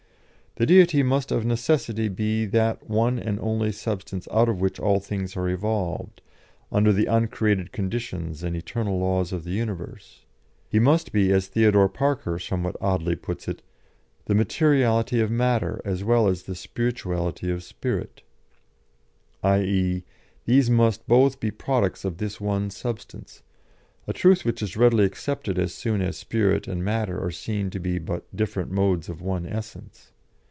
"The Deity must of necessity be that one and only substance out of which all things are evolved, under the uncreated conditions and eternal laws of the universe; He must be, as Theodore Parker somewhat oddly puts it, 'the materiality of matter as well as the spirituality of spirit' i.e., these must both be products of this one substance; a truth which is readily accepted as soon as spirit and matter are seen to be but different modes of one essence.